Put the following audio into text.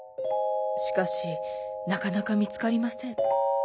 しかしなかなかみつかりません。